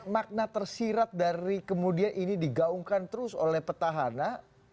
makna tersirat dari kemudian ini digaungkan terus oleh petahana